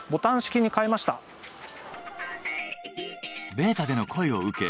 ベータでの声を受け